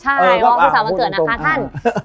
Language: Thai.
ใช่ว่าสุขสาวบังเกิดนะคะท่าน